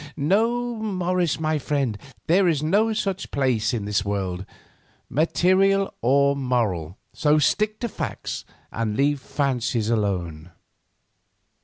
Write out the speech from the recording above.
No, Morris, my friend, there is no such place in this world, material or moral; so stick to facts, and leave fancies alone."